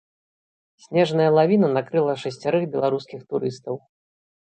Снежная лавіна накрыла шасцярых беларускіх турыстаў.